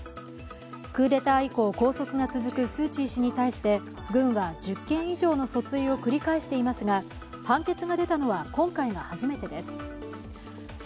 クーデター以降拘束が続くスー・チー氏に対して、軍は１０件以上の繰り返していますが判決が出たのは今回が初めてです。